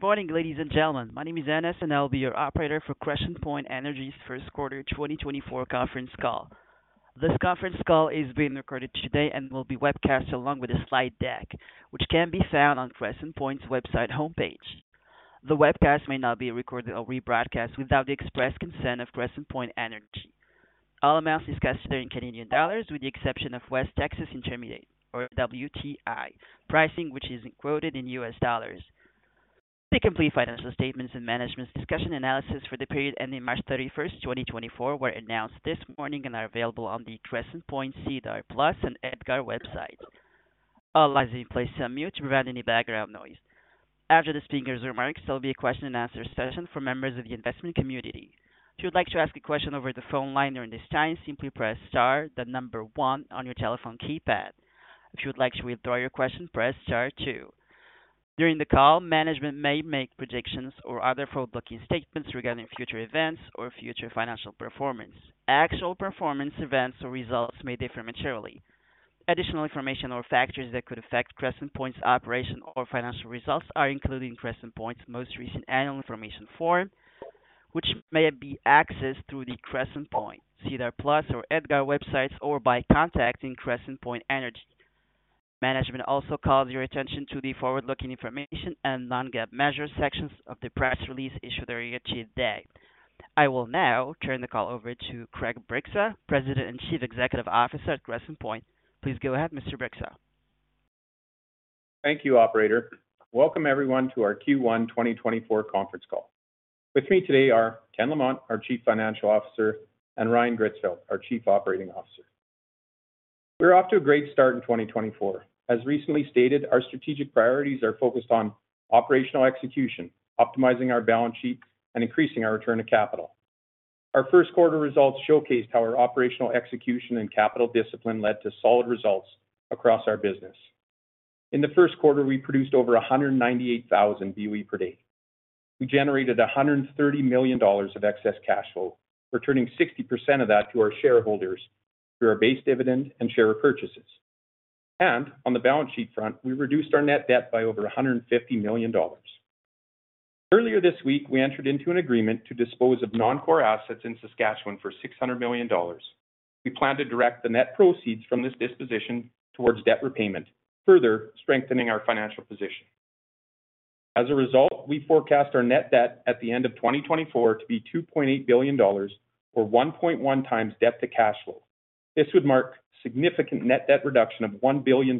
Good morning, ladies and gentlemen. My name is Ernest and I'll be your operator for Crescent Point Energy's first quarter 2024 conference call. This conference call is being recorded today and will be webcast along with a slide deck, which can be found on Crescent Point's website homepage. The webcast may not be recorded or rebroadcast without the express consent of Crescent Point Energy. All amounts discussed here are in Canadian dollars, with the exception of West Texas Intermediate, or WTI, pricing which is quoted in U.S. dollars. The complete financial statements and management discussion analysis for the period ending March 31, 2024, were announced this morning and are available on the Crescent Point SEDAR+ and EDGAR websites. I'll also place a mute to prevent any background noise. After the speaker's remarks, there'll be a question-and-answer session for members of the investment community. If you would like to ask a question over the phone line during this time, simply press * the number 1 on your telephone keypad. If you would like to withdraw your question, press * 2. During the call, management may make predictions or other forward-looking statements regarding future events or future financial performance. Actual performance events or results may differ materially. Additional information or factors that could affect Crescent Point's operation or financial results are included in Crescent Point's most recent Annual Information Form, which may be accessed through the Crescent Point, SEDAR+, or EDGAR websites or by contacting Crescent Point Energy. Management also calls your attention to the forward-looking information and non-GAAP measures sections of the press release issued during the day. I will now turn the call over to Craig Bryksa, President and Chief Executive Officer at Crescent Point. Please go ahead, Mr. Bryksa. Thank you, operator. Welcome, everyone, to our Q1 2024 conference call. With me today are Ken Lamont, our Chief Financial Officer, and Ryan Gritzfeldt, our Chief Operating Officer. We're off to a great start in 2024. As recently stated, our strategic priorities are focused on operational execution, optimizing our balance sheet, and increasing our return to capital. Our first quarter results showcased how our operational execution and capital discipline led to solid results across our business. In the first quarter, we produced over 198,000 BOE per day. We generated 130 million dollars of excess cash flow, returning 60% of that to our shareholders through our base dividend and share repurchases. On the balance sheet front, we reduced our net debt by over 150 million dollars. Earlier this week, we entered into an agreement to dispose of non-core assets in Saskatchewan for 600 million dollars. We plan to direct the net proceeds from this disposition towards debt repayment, further strengthening our financial position. As a result, we forecast our net debt at the end of 2024 to be $2.8 billion, or 1.1 times debt to cash flow. This would mark significant net debt reduction of $1 billion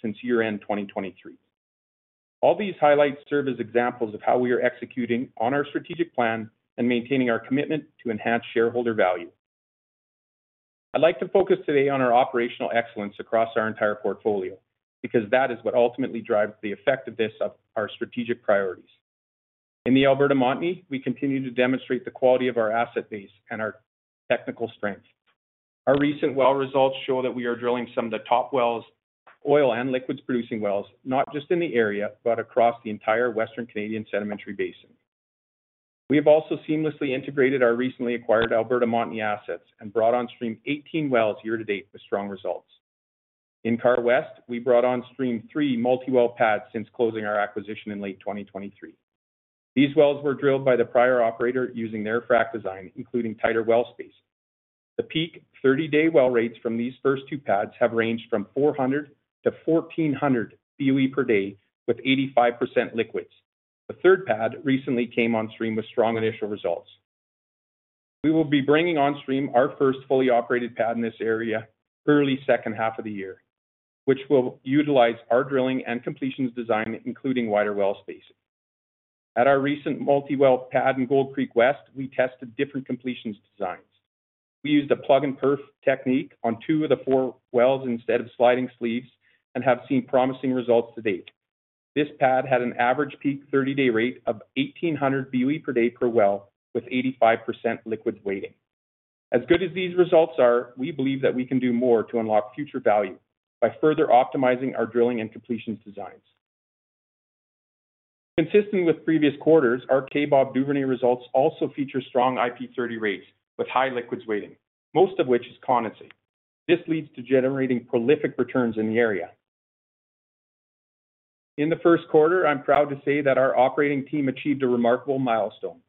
since year-end 2023. All these highlights serve as examples of how we are executing on our strategic plan and maintaining our commitment to enhance shareholder value. I'd like to focus today on our operational excellence across our entire portfolio, because that is what ultimately drives the effectiveness of our strategic priorities. In the Alberta Montney, we continue to demonstrate the quality of our asset base and our technical strength. Our recent well results show that we are drilling some of the top wells, oil and liquids producing wells, not just in the area but across the entire Western Canadian Sedimentary Basin. We have also seamlessly integrated our recently acquired Alberta Montney assets and brought on stream 18 wells year to date with strong results. In Karr West, we brought on stream 3 multiwell pads since closing our acquisition in late 2023. These wells were drilled by the prior operator using their frac design, including tighter well spacing. The peak 30-day well rates from these first two pads have ranged from 400-1,400 BOE per day with 85% liquids. The third pad recently came on stream with strong initial results. We will be bringing on stream our first fully operated pad in this area early second half of the year, which will utilize our drilling and completions design, including wider well spacing. At our recent multiwell pad in Gold Creek West, we tested different completions designs. We used a plug-and-perf technique on two of the four wells instead of sliding sleeves and have seen promising results to date. This pad had an average peak 30-day rate of 1,800 BOE per day per well with 85% liquids weighting. As good as these results are, we believe that we can do more to unlock future value by further optimizing our drilling and completions designs. Consistent with previous quarters, our Kaybob Duvernay results also feature strong IP30 rates with high liquids weighting, most of which is condensate. This leads to generating prolific returns in the area. In the first quarter, I'm proud to say that our operating team achieved a remarkable milestone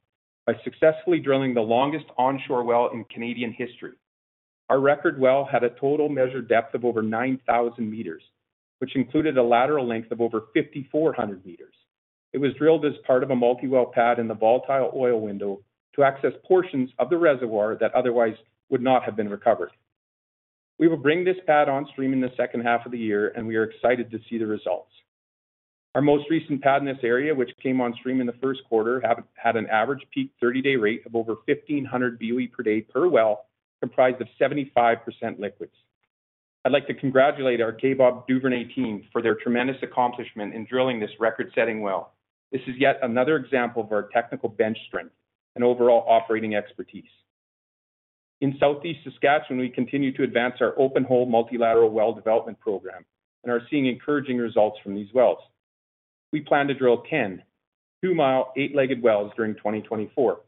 by successfully drilling the longest onshore well in Canadian history. Our record well had a total measured depth of over 9,000 meters, which included a lateral length of over 5,400 meters. It was drilled as part of a multiwell pad in the volatile oil window to access portions of the reservoir that otherwise would not have been recovered. We will bring this pad on stream in the second half of the year, and we are excited to see the results. Our most recent pad in this area, which came on stream in the first quarter, had an average peak 30-day rate of over 1,500 BOE per day per well, comprised of 75% liquids. I'd like to congratulate our Kaybob Duvernay team for their tremendous accomplishment in drilling this record-setting well. This is yet another example of our technical bench strength and overall operating expertise. In Southeast Saskatchewan, we continue to advance our open-hole multilateral well development program and are seeing encouraging results from these wells. We plan to drill 10 two-mile, eight-legged wells during 2024.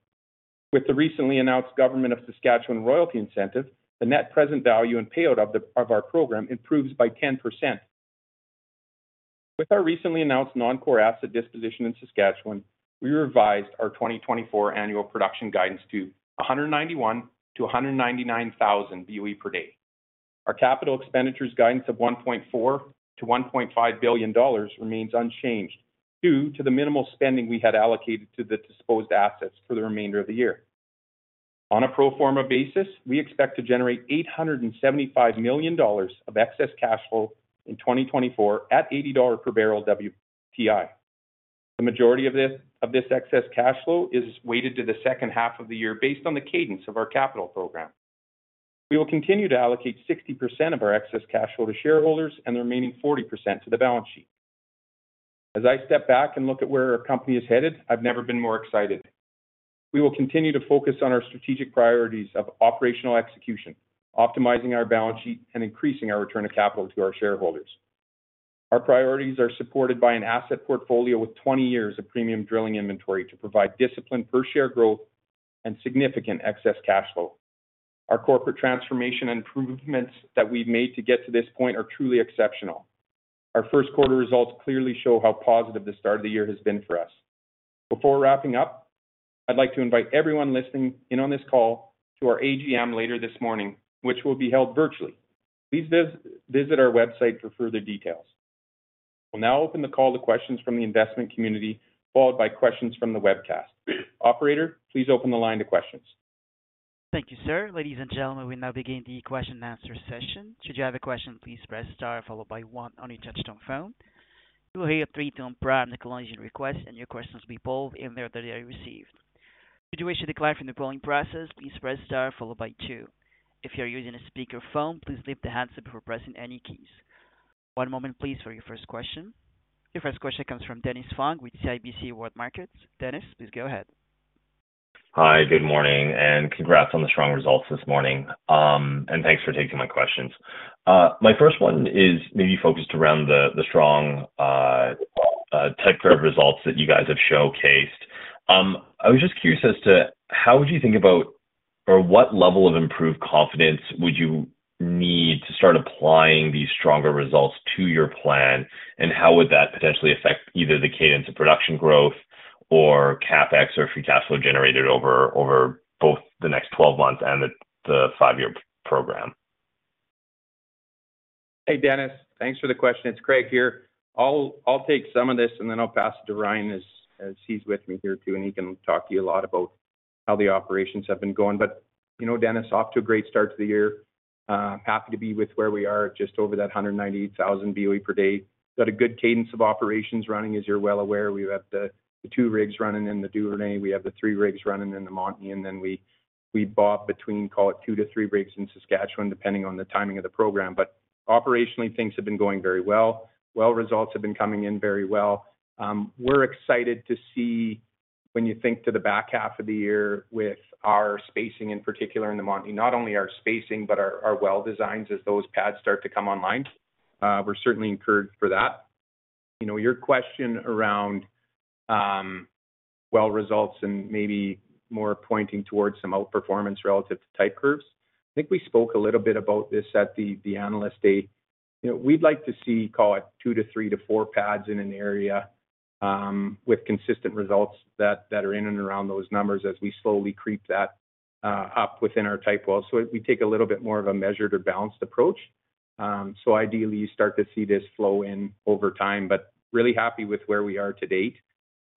With the recently announced Government of Saskatchewan royalty incentive, the net present value and payout of our program improves by 10%. With our recently announced non-core asset disposition in Saskatchewan, we revised our 2024 annual production guidance to 191,000-199,000 BOE per day. Our capital expenditures guidance of 1.4 billion-1.5 billion dollars remains unchanged due to the minimal spending we had allocated to the disposed assets for the remainder of the year. On a pro forma basis, we expect to generate 875 million dollars of excess cash flow in 2024 at $80 per barrel WTI. The majority of this excess cash flow is weighted to the second half of the year based on the cadence of our capital program. We will continue to allocate 60% of our excess cash flow to shareholders and the remaining 40% to the balance sheet. As I step back and look at where our company is headed, I've never been more excited. We will continue to focus on our strategic priorities of operational execution, optimizing our balance sheet, and increasing our return to capital to our shareholders. Our priorities are supported by an asset portfolio with 20 years of premium drilling inventory to provide disciplined per-share growth and significant excess cash flow. Our corporate transformation and improvements that we've made to get to this point are truly exceptional. Our first quarter results clearly show how positive the start of the year has been for us. Before wrapping up, I'd like to invite everyone listening in on this call to our AGM later this morning, which will be held virtually. Please visit our website for further details. We'll now open the call to questions from the investment community, followed by questions from the webcast. Operator, please open the line to questions. Thank you, sir. Ladies and gentlemen, we now begin the question-and-answer session. Should you have a question, please press * followed by 1 on your touch-tone phone. You will hear a three-tone prompt acknowledging your request, and your questions will be polled in the order they are received. Should you wish to decline from the polling process, please press * followed by 2. If you are using a speakerphone, please lift the handset before pressing any keys. One moment, please, for your first question. Your first question comes from Dennis Fong with CIBC World Markets. Dennis, please go ahead. Hi, good morning, and congrats on the strong results this morning, and thanks for taking my questions. My first one is maybe focused around the strong type curve results that you guys have showcased. I was just curious as to how would you think about or what level of improved confidence would you need to start applying these stronger results to your plan, and how would that potentially affect either the cadence of production growth or CapEx or free cash flow generated over both the next 12 months and the five-year program? Hey, Dennis, thanks for the question. It's Craig here. I'll take some of this, and then I'll pass it to Ryan as he's with me here too, and he can talk to you a lot about how the operations have been going. But, Dennis, off to a great start to the year. Happy to be with where we are, just over that 198,000 BOE per day. Got a good cadence of operations running, as you're well aware. We have the two rigs running in the Duvernay. We have the three rigs running in the Montney. And then we bob between, call it, two to three rigs in Saskatchewan, depending on the timing of the program. But operationally, things have been going very well. Well results have been coming in very well. We're excited to see when you think to the back half of the year with our spacing, in particular in the Montney, not only our spacing but our well designs as those pads start to come online. We're certainly encouraged for that. Your question around well results and maybe more pointing towards some outperformance relative to type curves, I think we spoke a little bit about this at the Analyst Day. We'd like to see, call it, 2 to 3 to 4 pads in an area with consistent results that are in and around those numbers as we slowly creep that up within our type wells. So we take a little bit more of a measured or balanced approach. So ideally, you start to see this flow in over time. But really happy with where we are to date.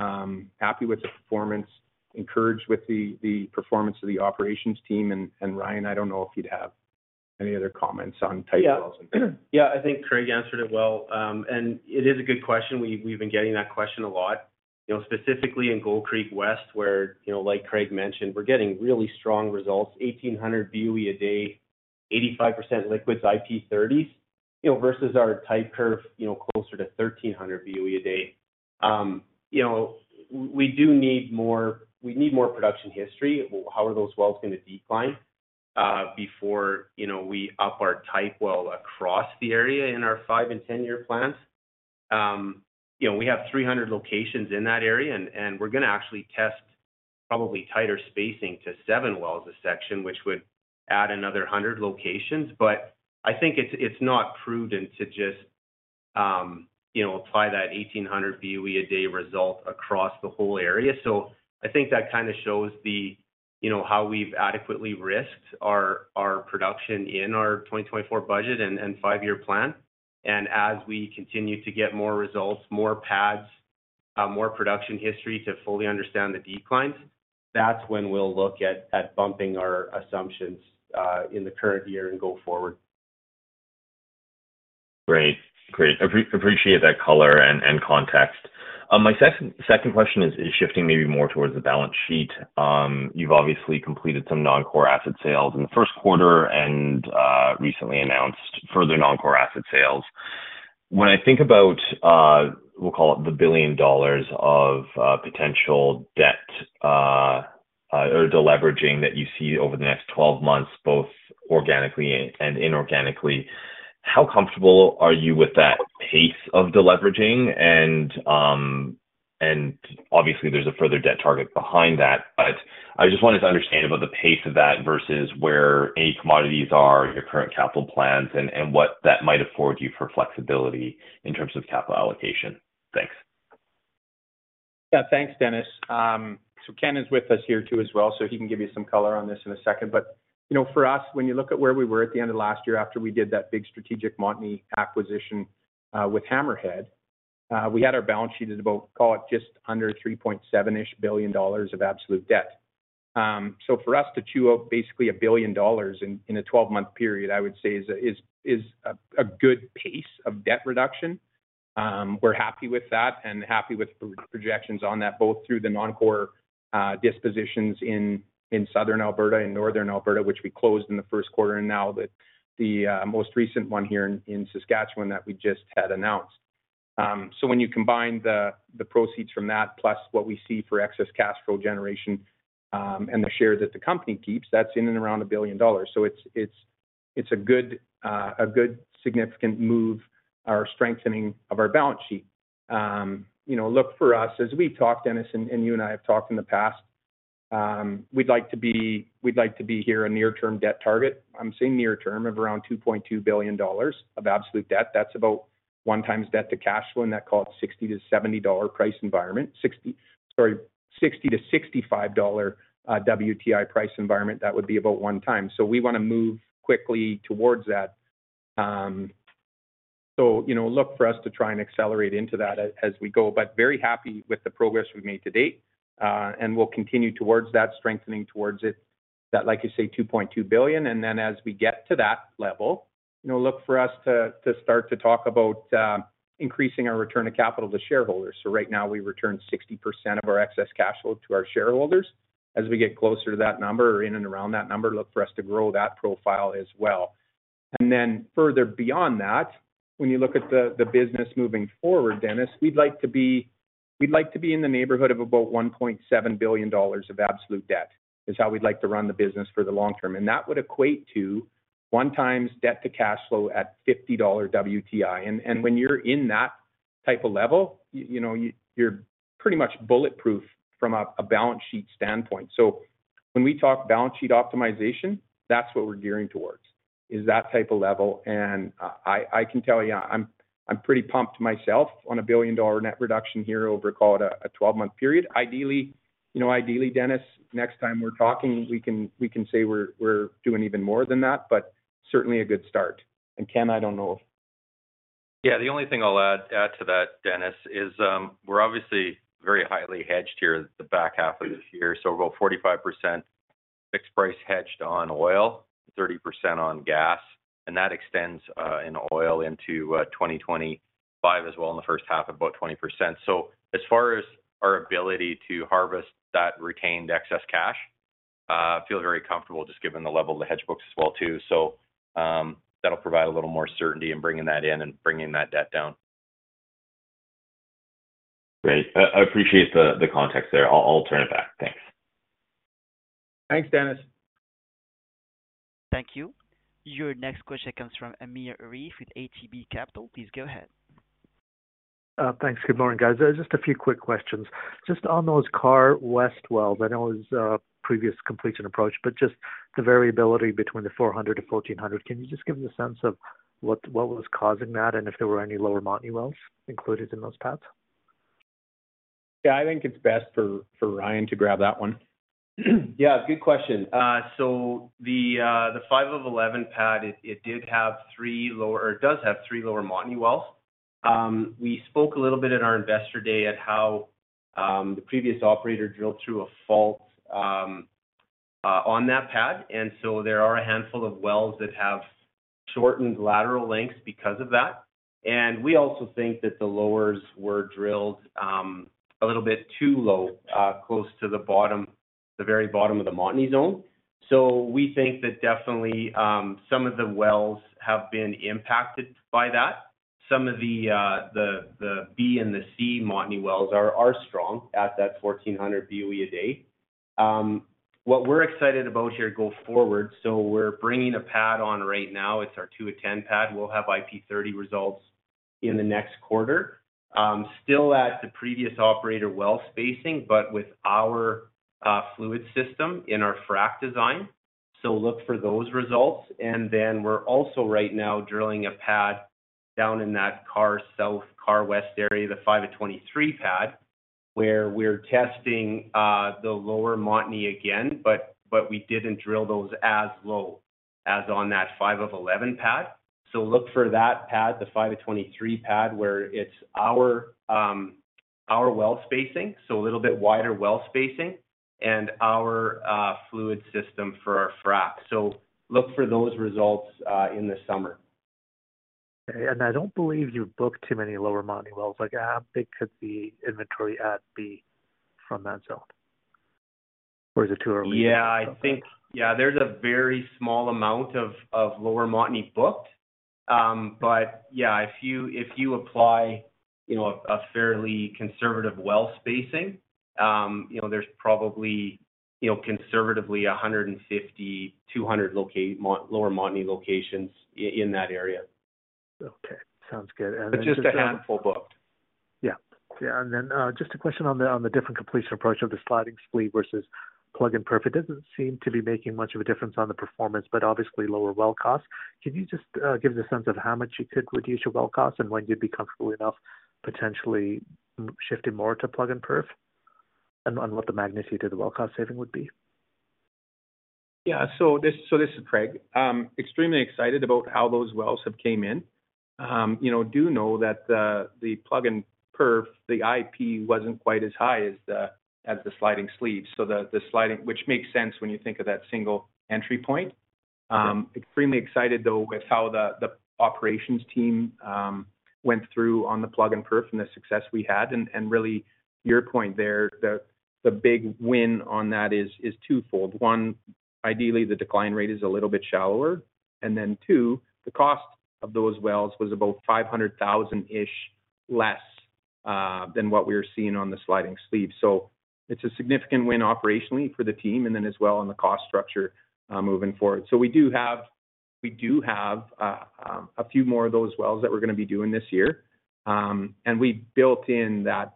Happy with the performance. Encouraged with the performance of the operations team. Ryan, I don't know if you'd have any other comments on type wells in particular. Yeah, I think Craig answered it well. It is a good question. We've been getting that question a lot, specifically in Gold Creek West, where, like Craig mentioned, we're getting really strong results, 1,800 BOE a day, 85% liquids, IP30s, versus our type curve closer to 1,300 BOE a day. We do need more production history. How are those wells going to decline before we up our type well across the area in our 5- and 10-year plans? We have 300 locations in that area, and we're going to actually test probably tighter spacing to seven wells a section, which would add another 100 locations. But I think it's not prudent to just apply that 1,800 BOE a day result across the whole area. So I think that kind of shows how we've adequately risked our production in our 2024 budget and five-year plan. And as we continue to get more results, more pads, more production history to fully understand the declines, that's when we'll look at bumping our assumptions in the current year and go forward. Great. Great. Appreciate that color and context. My second question is shifting maybe more towards the balance sheet. You've obviously completed some non-core asset sales in the first quarter and recently announced further non-core asset sales. When I think about, we'll call it, 1 billion dollars of potential debt or deleveraging that you see over the next 12 months, both organically and inorganically, how comfortable are you with that pace of deleveraging? And obviously, there's a further debt target behind that. But I just wanted to understand about the pace of that versus where any commodities are, your current capital plans, and what that might afford you for flexibility in terms of capital allocation. Thanks. Yeah, thanks, Dennis. So Ken is with us here too as well, so he can give you some color on this in a second. But for us, when you look at where we were at the end of last year after we did that big strategic Montney acquisition with Hammerhead, we had our balance sheet at about, call it, just under 3.7 billion dollars-ish of absolute debt. So for us to chew up basically 1 billion dollars in a 12-month period, I would say, is a good pace of debt reduction. We're happy with that and happy with projections on that, both through the non-core dispositions in Southern Alberta and Northern Alberta, which we closed in the first quarter, and now the most recent one here in Saskatchewan that we just had announced. So when you combine the proceeds from that plus what we see for excess cash flow generation and the share that the company keeps, that's in and around $1 billion. So it's a good significant move, our strengthening of our balance sheet. Look, for us, as we've talked, Dennis, and you and I have talked in the past, we'd like to be here a near-term debt target. I'm saying near-term, of around $2.2 billion of absolute debt. That's about 1x debt to cash flow in that, call it, $60-$70 price environment. Sorry, $60-$65 WTI price environment. That would be about 1x. So we want to move quickly towards that. So look, for us to try and accelerate into that as we go. But very happy with the progress we've made to date, and we'll continue towards that strengthening towards that, like you say, 2.2 billion. And then as we get to that level, look, for us to start to talk about increasing our return to capital to shareholders. So right now, we return 60% of our excess cash flow to our shareholders. As we get closer to that number or in and around that number, look, for us to grow that profile as well. And then further beyond that, when you look at the business moving forward, Dennis, we'd like to be we'd like to be in the neighborhood of about 1.7 billion dollars of absolute debt is how we'd like to run the business for the long term. And that would equate to 1x debt to cash flow at $50 WTI. When you're in that type of level, you're pretty much bulletproof from a balance sheet standpoint. When we talk balance sheet optimization, that's what we're gearing towards, is that type of level. I can tell you, I'm pretty pumped myself on a billion-dollar net reduction here over, call it, a 12-month period. Ideally, Dennis, next time we're talking, we can say we're doing even more than that, but certainly a good start. Ken, I don't know if. Yeah, the only thing I'll add to that, Dennis, is we're obviously very highly hedged here the back half of this year. So about 45% fixed-price hedged on oil, 30% on gas. And that extends in oil into 2025 as well, in the first half, about 20%. So as far as our ability to harvest that retained excess cash, feel very comfortable just given the level of the hedge books as well too. So that'll provide a little more certainty in bringing that in and bringing that debt down. Great. I appreciate the context there. I'll turn it back. Thanks. Thanks, Dennis. Thank you. Your next question comes from Amir Arif with ATB Capital. Please go ahead. Thanks. Good morning, guys. Just a few quick questions. Just on those Karr West wells, I know it was a previous completion approach, but just the variability between the 400-1,400, can you just give us a sense of what was causing that and if there were any lower Montney wells included in those pads? Yeah, I think it's best for Ryan to grab that one. Yeah, good question. So the 5 of 11 pad, it did have 3 lower Montney wells. We spoke a little bit at our investor day about how the previous operator drilled through a fault on that pad. And so there are a handful of wells that have shortened lateral lengths because of that. And we also think that the lowers were drilled a little bit too low, close to the very bottom of the Montney zone. So we think that definitely some of the wells have been impacted by that. Some of the B and the C Montney wells are strong at that 1,400 BOE a day. What we're excited about here, going forward. So we're bringing a pad on right now. It's our 2 of 10 pad. We'll have IP30 results in the next quarter. Still at the previous operator well spacing, but with our fluid system in our frac design. So look for those results. And then we're also right now drilling a pad down in that Karr South, Karr West area, the 5 of 23 pad, where we're testing the Lower Montney again, but we didn't drill those as low as on that 5 of 11 pad. So look for that pad, the 5 of 23 pad, where it's our well spacing, so a little bit wider well spacing, and our fluid system for our frac. So look for those results in the summer. Okay. I don't believe you've booked too many Lower Montney wells. How big could the inventory at be from that zone? Or is it too early? Yeah, I think yeah, there's a very small amount of Lower Montney booked. But yeah, if you apply a fairly conservative well spacing, there's probably conservatively 150-200 Lower Montney locations in that area. Okay. Sounds good. But just a handful booked. Yeah. Yeah. And then just a question on the different completion approach of the sliding sleeve versus plug-and-perf. It doesn't seem to be making much of a difference on the performance, but obviously, lower well costs. Can you just give us a sense of how much you could reduce your well costs and when you'd be comfortable enough potentially shifting more to plug-and-perf and what the magnitude of the well cost saving would be? Yeah. So this is Craig. Extremely excited about how those wells have came in. You know that the plug-and-perf, the IP, wasn't quite as high as the sliding sleeve, which makes sense when you think of that single entry point. Extremely excited, though, with how the operations team went through on the plug-and-perf and the success we had. And really, your point there, the big win on that is twofold. One, ideally, the decline rate is a little bit shallower. And then two, the cost of those wells was about 500,000-ish less than what we were seeing on the sliding sleeve. So it's a significant win operationally for the team and then as well on the cost structure moving forward. So we do have a few more of those wells that we're going to be doing this year. And we've built in that,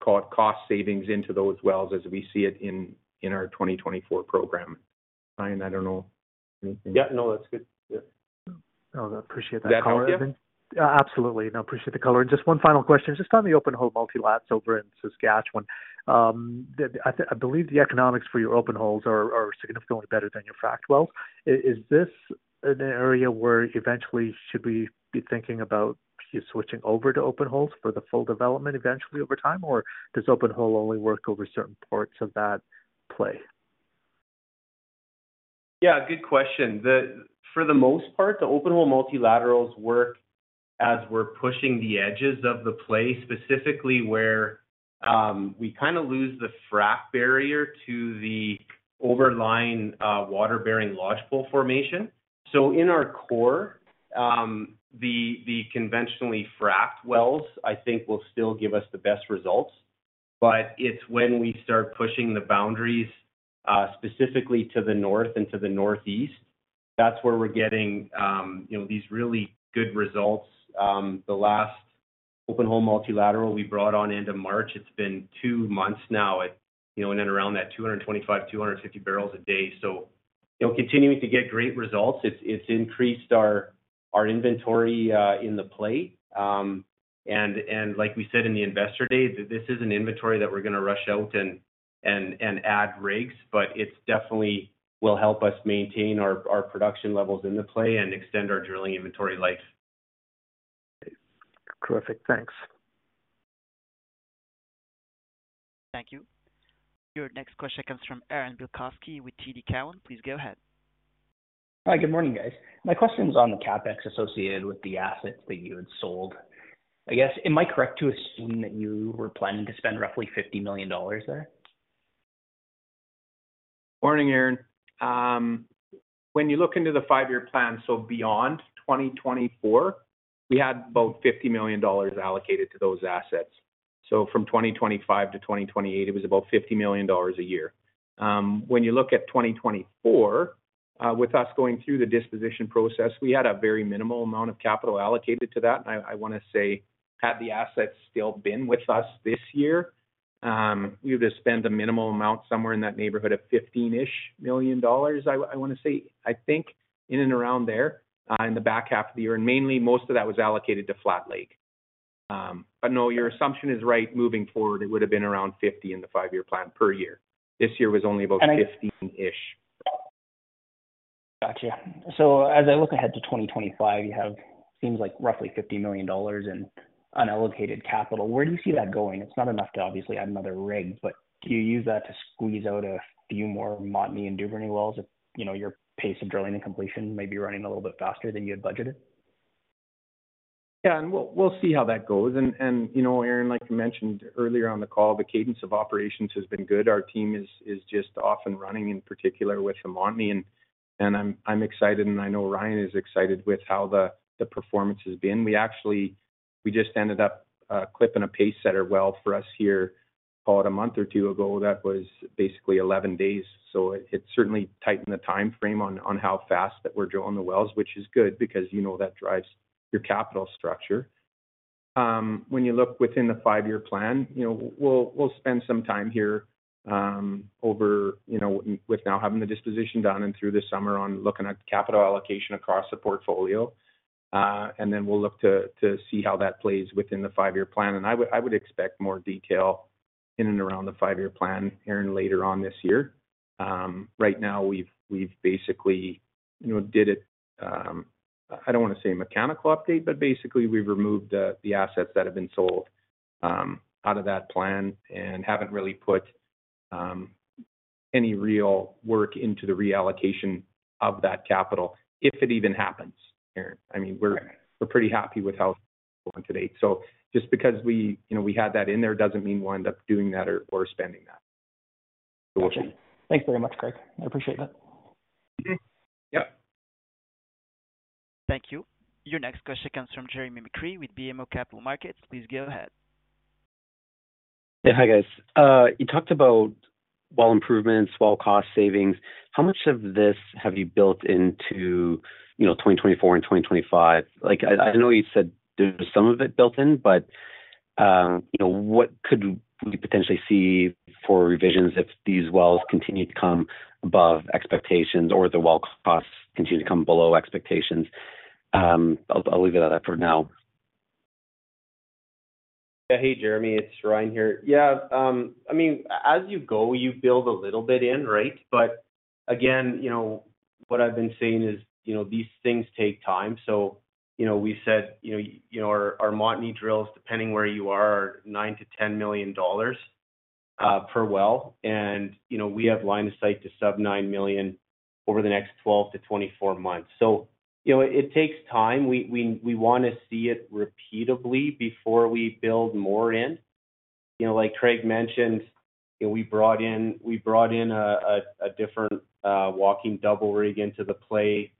call it, cost savings into those wells as we see it in our 2024 program. Ryan, I don't know anything. Yeah. No, that's good. Yeah. Oh, I appreciate that color, Ryan. That helped? Absolutely. No, appreciate the color. Just one final question. Just on the open-hole multi-lats over in Saskatchewan, I believe the economics for your open holes are significantly better than your frac wells. Is this an area where eventually, should we be thinking about switching over to open holes for the full development eventually over time, or does open hole only work over certain parts of that play? Yeah, good question. For the most part, the open-hole multilaterals work as we're pushing the edges of the play, specifically where we kind of lose the frac barrier to the overlying water-bearing Lodgepole Formation. So in our core, the conventionally frac wells, I think, will still give us the best results. But it's when we start pushing the boundaries specifically to the north and to the northeast, that's where we're getting these really good results. The last open-hole multilateral we brought on end of March, it's been two months now at in and around that 225-250 barrels a day. So continuing to get great results. It's increased our inventory in the play. Like we said in the Investor Day, this is an inventory that we're going to rush out and add rigs, but it definitely will help us maintain our production levels in the play and extend our drilling inventory life. Terrific. Thanks. Thank you. Your next question comes from Aaron Bilkoski with TD Cowen. Please go ahead. Hi. Good morning, guys. My question's on the CapEx associated with the assets that you had sold. I guess, am I correct to assume that you were planning to spend roughly $50 million there? Morning, Aaron. When you look into the five-year plan, so beyond 2024, we had about 50 million dollars allocated to those assets. So from 2025 to 2028, it was about 50 million dollars a year. When you look at 2024, with us going through the disposition process, we had a very minimal amount of capital allocated to that. And I want to say, had the assets still been with us this year, we would have spent a minimal amount somewhere in that neighborhood of 15-ish million, I want to say, I think, in and around there in the back half of the year. And mainly, most of that was allocated to Flat Lake. But no, your assumption is right. Moving forward, it would have been around 50 in the five-year plan per year. This year was only about 15-ish. Gotcha. So as I look ahead to 2025, you have, seems like, roughly $50 million in unallocated capital. Where do you see that going? It's not enough to obviously add another rig, but do you use that to squeeze out a few more Montney and Duvernay wells if your pace of drilling and completion may be running a little bit faster than you had budgeted? Yeah. We'll see how that goes. Aaron, like you mentioned earlier on the call, the cadence of operations has been good. Our team is just off and running, in particular with the Montney. I'm excited, and I know Ryan is excited with how the performance has been. We just ended up clipping a pacesetter well for us here, call it, a month or two ago. That was basically 11 days. So it certainly tightened the time frame on how fast that we're drilling the wells, which is good because that drives your capital structure. When you look within the five-year plan, we'll spend some time here with now having the disposition done and through the summer on looking at capital allocation across the portfolio. Then we'll look to see how that plays within the five-year plan. And I would expect more detail in and around the five-year plan, Aaron, later on this year. Right now, we've basically did it I don't want to say mechanical update, but basically, we've removed the assets that have been sold out of that plan and haven't really put any real work into the reallocation of that capital, if it even happens, Aaron. I mean, we're pretty happy with how it's going to date. So just because we had that in there doesn't mean we'll end up doing that or spending that. So we'll see. Thanks very much, Craig. I appreciate that. Yep. Thank you. Your next question comes from Jeremy McCrea with BMO Capital Markets. Please go ahead. Yeah. Hi, guys. You talked about well improvements, well cost savings. How much of this have you built into 2024 and 2025? I know you said there's some of it built in, but what could we potentially see for revisions if these wells continue to come above expectations or the well costs continue to come below expectations? I'll leave it at that for now. Yeah. Hey, Jeremy. It's Ryan here. Yeah. I mean, as you go, you build a little bit in, right? But again, what I've been seeing is these things take time. So we said our Montney drills, depending where you are, are 9 million-10 million dollars per well. And we have line of sight to sub-CAD 9 million over the next 12-24 months. So it takes time. We want to see it repeatably before we build more in. Like Craig mentioned, we brought in a different walking double rig into the play.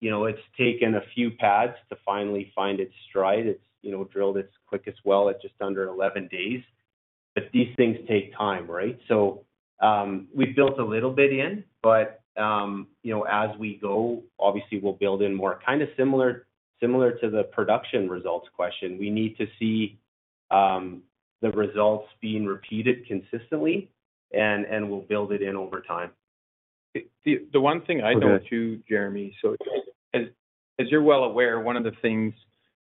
It's taken a few pads to finally find its stride. It's drilled its quickest well at just under 11 days. But these things take time, right? So we've built a little bit in, but as we go, obviously, we'll build in more. Kind of similar to the production results question, we need to see the results being repeated consistently, and we'll build it in over time. The one thing I know too, Jeremy, so as you're well aware, one of the things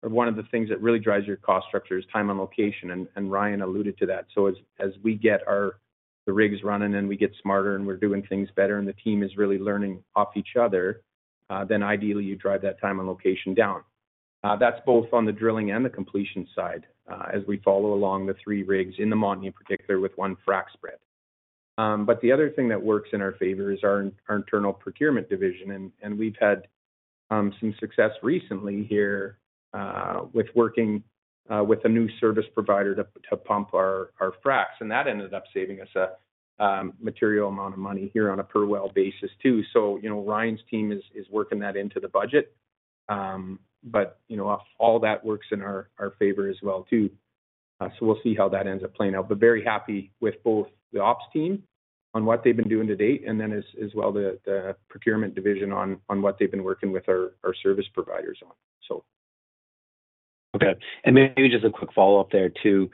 or one of the things that really drives your cost structure is time on location. Ryan alluded to that. As we get the rigs running and we get smarter and we're doing things better and the team is really learning off each other, then ideally, you drive that time on location down. That's both on the drilling and the completion side as we follow along the three rigs in the Montney, in particular, with one frac spread. But the other thing that works in our favor is our internal procurement division. We've had some success recently here with working with a new service provider to pump our fracs. And that ended up saving us a material amount of money here on a per well basis too. So Ryan's team is working that into the budget. But all that works in our favor as well too. So we'll see how that ends up playing out. But very happy with both the ops team on what they've been doing to date and then as well the procurement division on what they've been working with our service providers on, so. Okay. And maybe just a quick follow-up there too.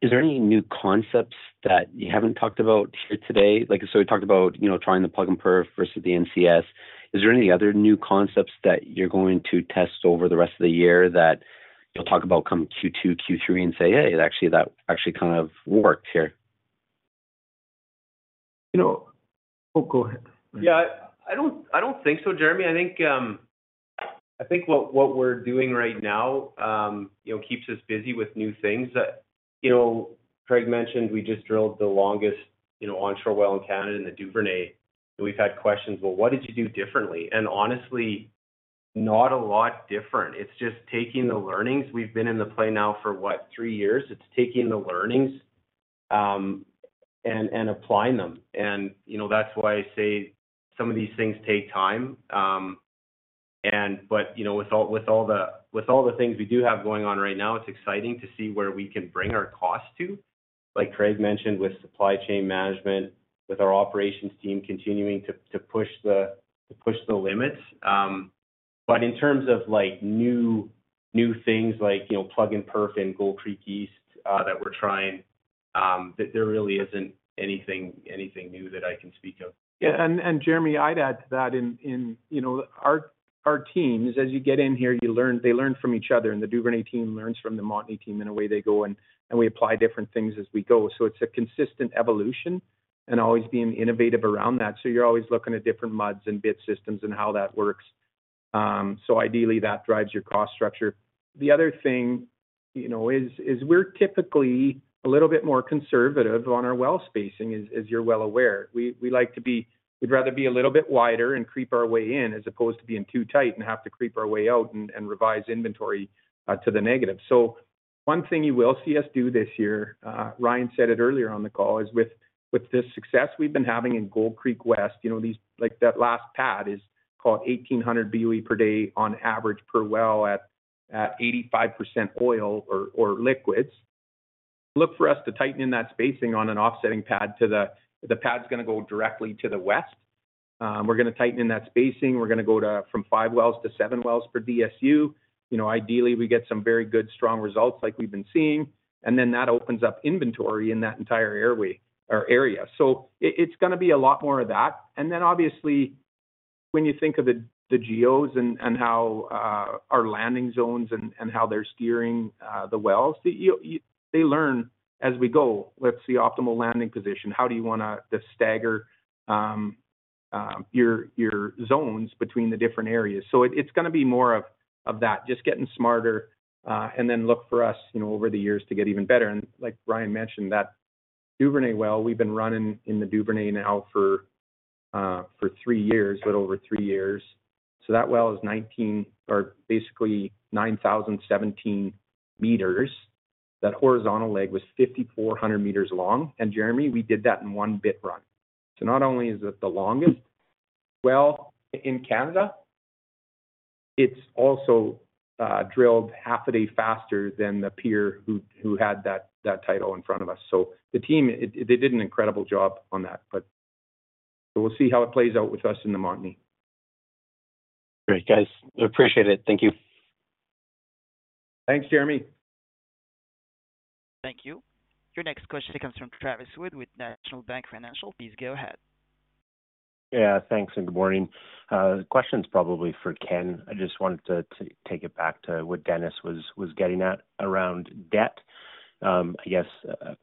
Is there any new concepts that you haven't talked about here today? So we talked about trying the plug-and-perf versus the NCS. Is there any other new concepts that you're going to test over the rest of the year that you'll talk about come Q2, Q3 and say, "Hey, actually, that actually kind of worked here"? Oh, go ahead. Yeah. I don't think so, Jeremy. I think what we're doing right now keeps us busy with new things. Craig mentioned we just drilled the longest onshore well in Canada in the Duvernay. And we've had questions, "Well, what did you do differently?" And honestly, not a lot different. It's just taking the learnings. We've been in the play now for, what, three years. It's taking the learnings and applying them. And that's why I say some of these things take time. But with all the things we do have going on right now, it's exciting to see where we can bring our costs to. Like Craig mentioned, with supply chain management, with our operations team continuing to push the limits. But in terms of new things like plug-and-perf in Gold Creek East that we're trying, there really isn't anything new that I can speak of. Yeah. And Jeremy, I'd add to that. Our teams, as you get in here, they learn from each other. And the Duvernay team learns from the Montney team in a way they go. And we apply different things as we go. So it's a consistent evolution and always being innovative around that. So you're always looking at different muds and bit systems and how that works. So ideally, that drives your cost structure. The other thing is we're typically a little bit more conservative on our well spacing, as you're well aware. We'd rather be a little bit wider and creep our way in as opposed to being too tight and have to creep our way out and revise inventory to the negative. So one thing you will see us do this year, Ryan said it earlier on the call, is with this success we've been having in Gold Creek West, that last pad is called 1,800 BOE per day on average per well at 85% oil or liquids. Look for us to tighten in that spacing on an offsetting pad to the pad's going to go directly to the west. We're going to tighten in that spacing. We're going to go from five wells to seven wells per DSU. Ideally, we get some very good, strong results like we've been seeing. And then that opens up inventory in that entire airway or area. So it's going to be a lot more of that. And then obviously, when you think of the Geos and how our landing zones and how they're steering the wells, they learn as we go. Let's see optimal landing position. How do you want to stagger your zones between the different areas? So it's going to be more of that, just getting smarter and then look for us over the years to get even better. And like Ryan mentioned, that Duvernay well, we've been running in the Duvernay now for three years, a little over three years. So that well is 19 or basically 9,017 meters. That horizontal leg was 5,400 meters long. And Jeremy, we did that in one bit run. So not only is it the longest well in Canada, it's also drilled half a day faster than the peer who had that title in front of us. So the team, they did an incredible job on that. But we'll see how it plays out with us in the Montney. Great, guys. Appreciate it. Thank you. Thanks, Jeremy. Thank you. Your next question comes from Travis Wood with National Bank Financial. Please go ahead. Yeah. Thanks and good morning. Questions probably for Ken. I just wanted to take it back to what Dennis was getting at around debt. I guess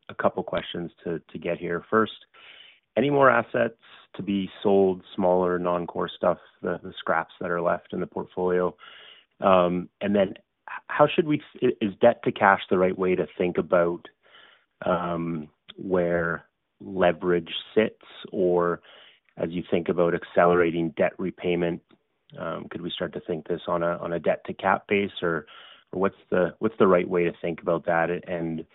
a couple of questions to get here. First, any more assets to be sold, smaller non-core stuff, the scraps that are left in the portfolio? And then how should we—is debt to cash flow the right way to think about where leverage sits? Or as you think about accelerating debt repayment, could we start to think this on a debt to cap base? Or what's the right way to think about that? And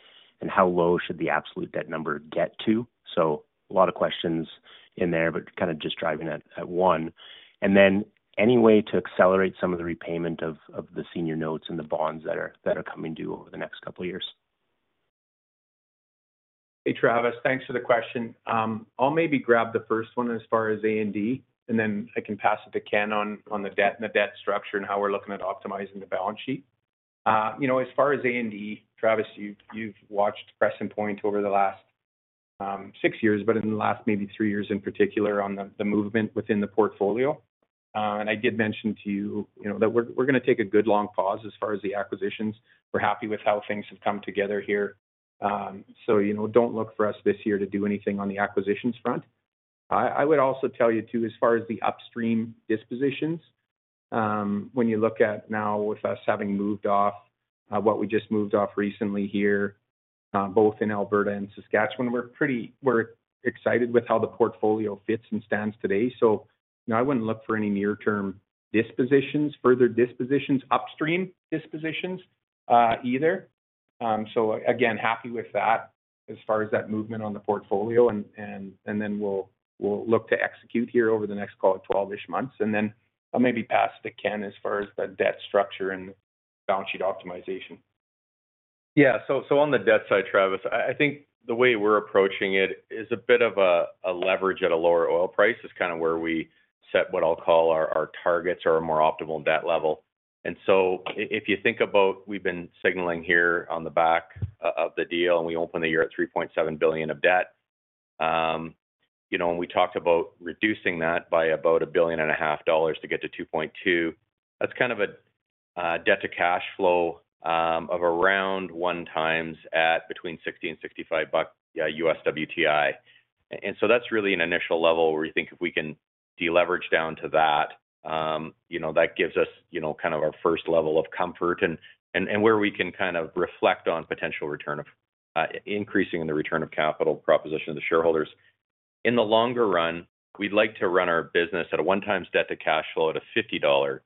how low should the absolute debt number get to? So a lot of questions in there, but kind of just driving at one. And then any way to accelerate some of the repayment of the senior notes and the bonds that are coming due over the next couple of years? Hey, Travis. Thanks for the question. I'll maybe grab the first one as far as A&D, and then I can pass it to Ken on the debt and the debt structure and how we're looking at optimizing the balance sheet. As far as A&D, Travis, you've watched Crescent Point over the last six years, but in the last maybe three years in particular on the movement within the portfolio. I did mention to you that we're going to take a good long pause as far as the acquisitions. We're happy with how things have come together here. So don't look for us this year to do anything on the acquisitions front. I would also tell you too, as far as the upstream dispositions, when you look at now with us having moved off what we just moved off recently here, both in Alberta and Saskatchewan, we're excited with how the portfolio fits and stands today. So I wouldn't look for any near-term dispositions, further dispositions, upstream dispositions either. So again, happy with that as far as that movement on the portfolio. And then we'll look to execute here over the next call of 12-ish months. And then I'll maybe pass it to Ken as far as the debt structure and balance sheet optimization. Yeah. So on the debt side, Travis, I think the way we're approaching it is a bit of a leverage at a lower oil price is kind of where we set what I'll call our targets or our more optimal debt level. And so if you think about we've been signaling here on the back of the deal, and we open the year at 3.7 billion of debt. And we talked about reducing that by about a billion and a half dollars to get to 2.2. That's kind of a debt to cash flow of around 1x at between $60 and $65 WTI. And so that's really an initial level where we think if we can de-leverage down to that, that gives us kind of our first level of comfort and where we can kind of reflect on potential increasing in the return of capital proposition of the shareholders. In the longer run, we'd like to run our business at a 1x debt to cash flow at a $50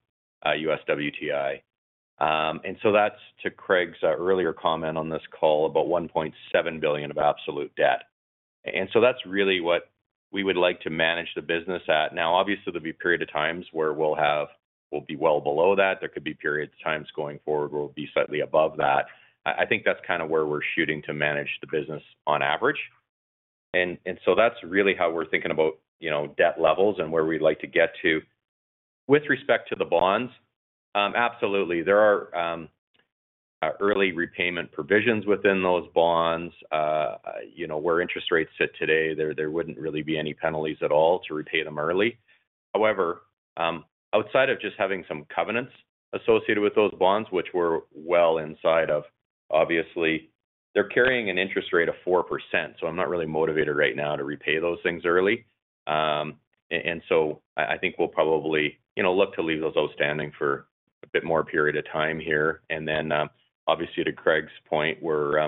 WTI. And so that's to Craig's earlier comment on this call about 1.7 billion of absolute debt. And so that's really what we would like to manage the business at. Now, obviously, there'll be periods of times where we'll be well below that. There could be periods of times going forward where we'll be slightly above that. I think that's kind of where we're shooting to manage the business on average. That's really how we're thinking about debt levels and where we'd like to get to. With respect to the bonds, absolutely. There are early repayment provisions within those bonds where interest rates sit today. There wouldn't really be any penalties at all to repay them early. However, outside of just having some covenants associated with those bonds, which were well inside of obviously, they're carrying an interest rate of 4%. So I'm not really motivated right now to repay those things early. And so I think we'll probably look to leave those outstanding for a bit more period of time here. And then obviously, to Craig's point, we're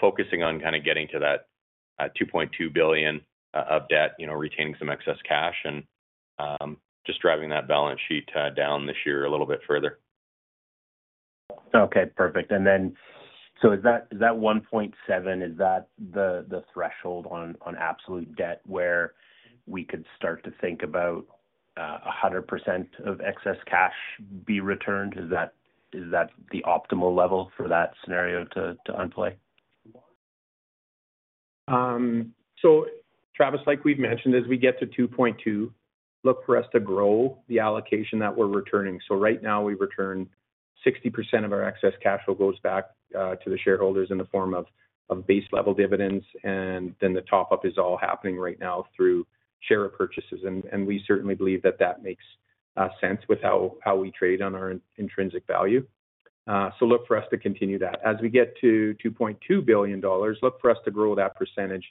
focusing on kind of getting to that 2.2 billion of debt, retaining some excess cash, and just driving that balance sheet down this year a little bit further. Okay. Perfect. Is that 1.7 the threshold on absolute debt where we could start to think about 100% of excess cash be returned? Is that the optimal level for that scenario to play out? So Travis, like we've mentioned, as we get to $2.2 billion, look for us to grow the allocation that we're returning. So right now, we return 60% of our excess cash flow goes back to the shareholders in the form of base-level dividends. And then the top-up is all happening right now through share repurchases. And we certainly believe that that makes sense with how we trade on our intrinsic value. So look for us to continue that. As we get to $2.2 billion, look for us to grow that percentage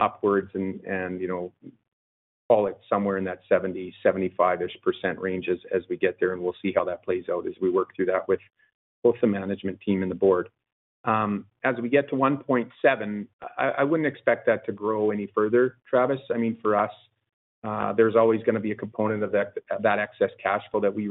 upwards and call it somewhere in that 70%-75%-ish% range as we get there. And we'll see how that plays out as we work through that with both the management team and the board. As we get to $1.7 billion, I wouldn't expect that to grow any further, Travis. I mean, for us, there's always going to be a component of that excess cash flow that we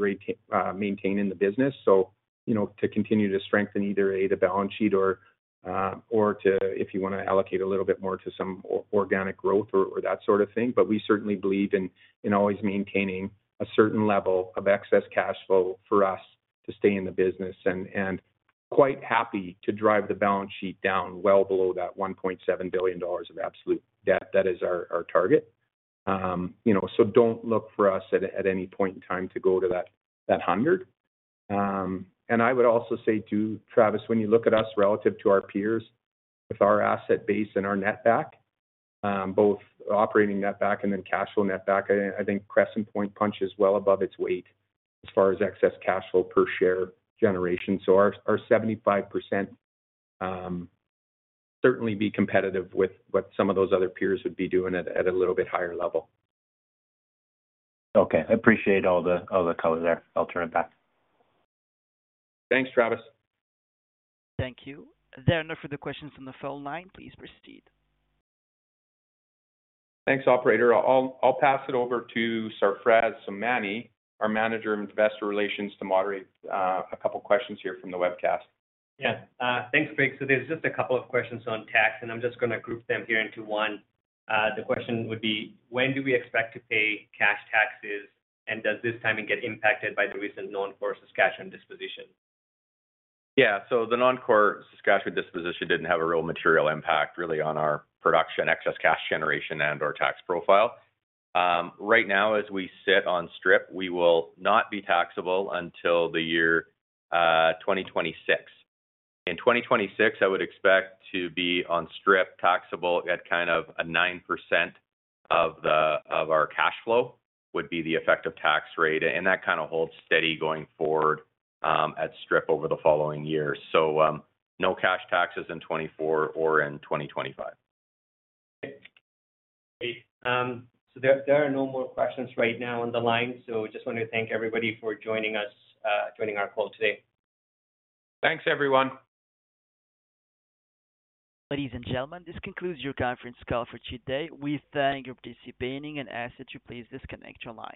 maintain in the business to continue to strengthen either a balance sheet or to, if you want to allocate a little bit more to some organic growth or that sort of thing. But we certainly believe in always maintaining a certain level of excess cash flow for us to stay in the business and quite happy to drive the balance sheet down well below that $1.7 billion of absolute debt. That is our target. So don't look for us at any point in time to go to that 100. And I would also say too, Travis, when you look at us relative to our peers with our asset base and our netback, both operating netback and then cash flow netback, I think Crescent Point punches well above its weight as far as excess cash flow per share generation. So our 75% certainly be competitive with what some of those other peers would be doing at a little bit higher level. Okay. I appreciate all the color there. I'll turn it back. Thanks, Travis. Thank you. There are no further questions on the phone line. Please proceed. Thanks, operator. I'll pass it over to Sarfraz Somani, our Manager of Investor Relations, to moderate a couple of questions here from the webcast. Yeah. Thanks, Craig. So there's just a couple of questions on tax. And I'm just going to group them here into one. The question would be, when do we expect to pay cash taxes? And does this timing get impacted by the recent non-core Saskatchewan disposition? Yeah. So the non-core Saskatchewan disposition didn't have a real material impact really on our production, excess cash generation, and/or tax profile. Right now, as we sit on strip, we will not be taxable until the year 2026. In 2026, I would expect to be on strip taxable at kind of a 9% of our cash flow would be the effective tax rate. And that kind of holds steady going forward at strip over the following year. So no cash taxes in 2024 or in 2025. Okay. Great. There are no more questions right now on the line. Just want to thank everybody for joining our call today. Thanks, everyone. Ladies and gentlemen, this concludes your conference call for today. We thank you for participating. Ask that you please disconnect your line.